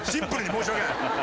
申し訳ない。